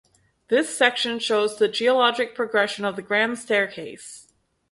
This section shows the geologic progression of the Grand Staircase.